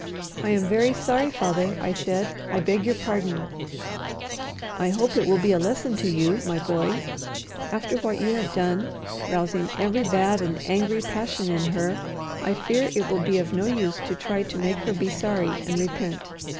"I am very sorry, father," I said; "I beg your pardon." "I hope it will be a lesson to you, my boy. After what you have done, rousing every bad and angry passion in her, I fear it will be of no use to try to make her be sorry and repent.